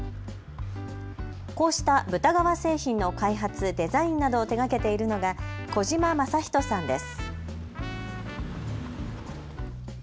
こうした豚革製品の開発、デザインなどを手がけているのが児嶋真人さんです。